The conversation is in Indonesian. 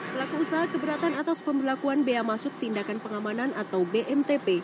pelaku usaha keberatan atas pembelakuan bea masuk tindakan pengamanan atau bmtp